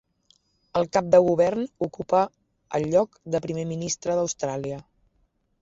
El cap de govern ocupa el lloc de primer ministre d'Austràlia.